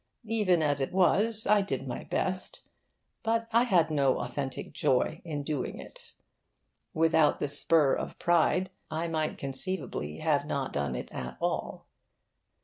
Even as it was, I did my best. But I had no authentic joy in doing it. Without the spur of pride I might conceivably have not done it at all.